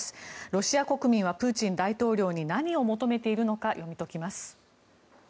ロシア国民はプーチン大統領に何を求めているのか読み解きます。